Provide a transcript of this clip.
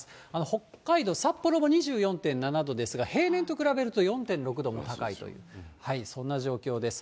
北海道札幌も２４．７度ですが、平年と比べると４．６度も高いという、そんな状況です。